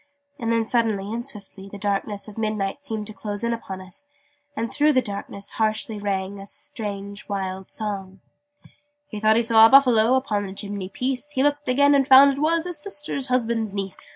And then suddenly and swiftly the darkness of midnight seemed to close in upon us and through the darkness harshly rang a strange wild song: He thought he saw a Buffalo Upon the chimney piece: He looked again, and found it was His Sister's Husband's Niece.